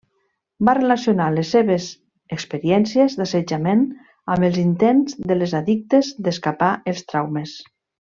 Va relacionar les seves experiències d'assetjament amb els intents de les addictes d'escapar els traumes.